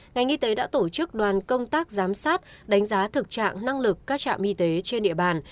ngành y tế đã tổ chức đoàn công tác giám sát đánh giá thực trạng năng lực các trạm y tế trên địa bàn